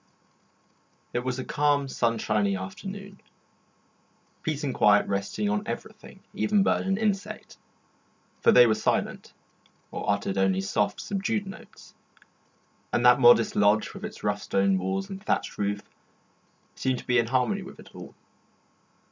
It was a calm, sunshiny afternoon, peace and quiet resting on everything, even bird and insect, for they were silent, or uttered only soft, subdued notes; and that modest lodge, with its rough stone walls and thatched roof, seemed to be in harmony with it all.